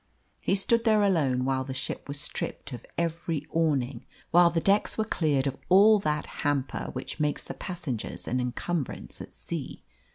He stood there alone while the ship was stripped of every awning, while the decks were cleared of all that hamper which makes the passenger an encumbrance at sea.